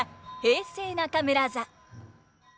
平成中村座。